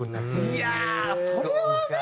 いやあそれはね。